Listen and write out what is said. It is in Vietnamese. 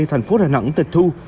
thành phố đà nẵng tịch thu